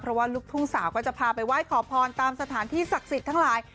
เพราะว่าลูกทุ่งสาวก็จะพาไปไหว้ขอพรตามสถานที่ศักดิ์สิทธิ์ทั้งหลาย